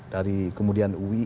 dari kemudian uii